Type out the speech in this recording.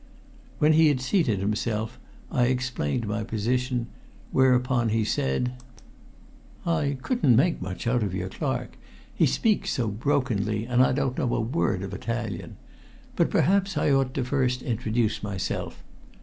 When he had seated himself I explained my position, whereupon he said "I couldn't make much out of your clerk. He speaks so brokenly, and I don't know a word of Italian. But perhaps I ought to first introduce myself.